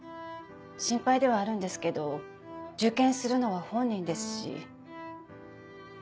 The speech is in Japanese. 心配ではあるんですけど受験するのは本人ですし。